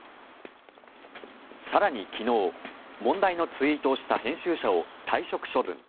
更に昨日問題のツイートをした編集者を退職処分。